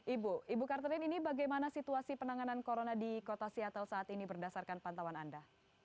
ibu ibu kartelin ini bagaimana situasi penanganan corona di kota seattle saat ini berdasarkan pantauan anda